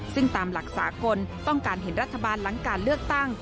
ซึ่งตามหลักสากลต้องการเห็นรัฐบาลหลังการเลือกตั้ง